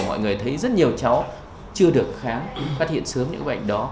mọi người thấy rất nhiều cháu chưa được phát hiện sớm những bệnh đó